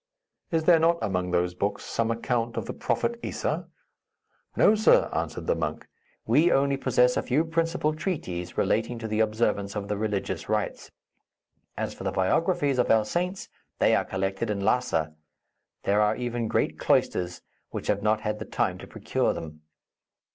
"Is there not, among those books, some account of the prophet Issa?" "No, sir," answered the monk. "We only possess a few principal treatises relating to the observance of the religious rites. As for the biographies of our saints, they are collected in Lhassa. There are even great cloisters which have not had the time to procure them.